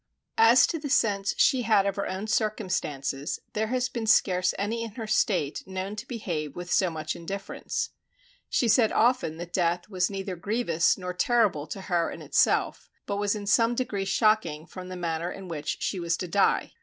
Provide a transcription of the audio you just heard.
As to the sense she had of her own circumstances, there has been scarce any in her state known to behave with so much indifference. She said often that death was neither grievous nor terrible to her in itself, but was in some degree shocking from the manner in which she was to die.